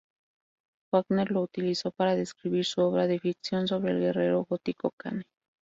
Wagner lo utilizó para describir su obra de ficción sobre el guerrero gótico Kane.